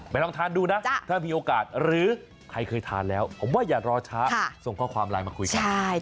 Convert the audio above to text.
ลองทานดูนะถ้ามีโอกาสหรือใครเคยทานแล้วผมว่าอย่ารอช้าส่งข้อความไลน์มาคุยกัน